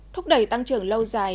thúc đẩy tăng trưởng lâu dài